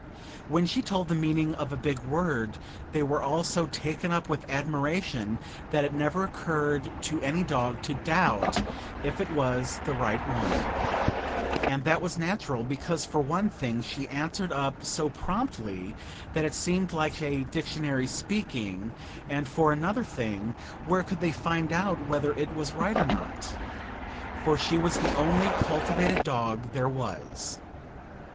When she told the meaning of a big word they were all so taken up with admiration that it never occurred to any dog to doubt if it was the right one; and that was natural, because, for one thing, she answered up so promptly that it seemed like a dictionary speaking, and for another thing, where could they find out whether it was right or not? for she was the only cultivated dog there was.